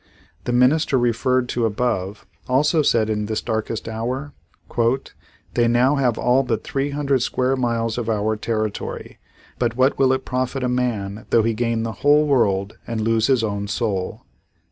The minister referred to above also said in this darkest hour: "They now have all but three hundred square miles of our territory, but what will it profit a man though he gain the whole world and lose his own soul.'